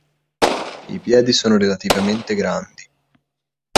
I piedi sono relativamente grandi.